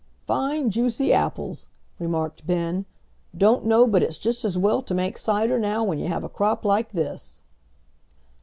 "Fine juicy apples," remarked Ben. "Don't know but it's just as well to make cider now when you have a crop like this."